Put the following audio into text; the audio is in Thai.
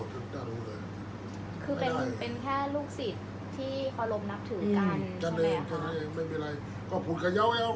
อันไหนที่มันไม่จริงแล้วอาจารย์อยากพูด